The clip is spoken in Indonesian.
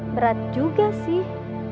berat juga sih